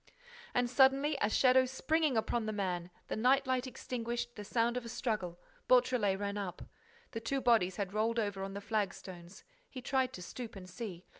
And, suddenly, a shadow springing upon the man, the night light extinguished, the sound of a struggle—Beautrelet ran up. The two bodies had rolled over on the flagstones. He tried to stoop and see.